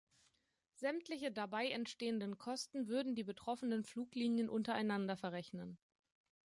Sämtliche dabei entstehenden Kosten würden die betroffenen Fluglinien untereinander verrechnen.